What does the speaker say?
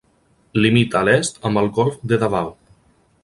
Limita a l'est amb el golf de Davao.